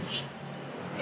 terima kasih ya